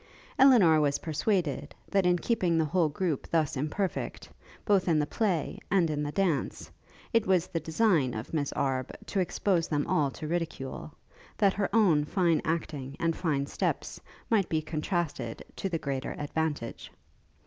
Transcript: Elinor was persuaded, that in keeping the whole group thus imperfect, both in the play and in the dance, it was the design of Miss Arbe to expose them all to ridicule, that her own fine acting and fine steps might be contrasted to the greater advantage.